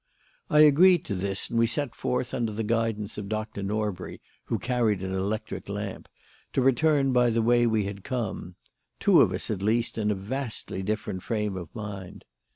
I agreed to this, and we set forth under the guidance of Dr. Norbury (who carried an electric lamp) to return by the way we had come; two of us, at least, in a vastly different frame of mind.